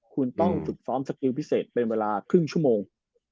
คุณต้องฝึกซ้อมสกิลพิเศษเป็นเวลาครึ่งชั่วโมง